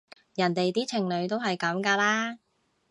人哋啲情侶都係噉㗎啦